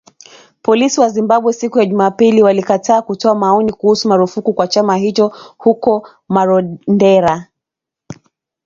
Polisi wa Zimbabwe, siku ya Jumapili walikataa kutoa maoni kuhusu marufuku kwa chama hicho huko Marondera